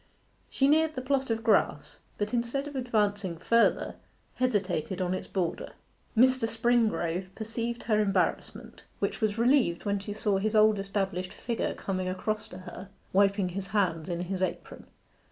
She neared the plot of grass, but instead of advancing further, hesitated on its border. Mr. Springrove perceived her embarrassment, which was relieved when she saw his old established figure coming across to her, wiping his hands in his apron.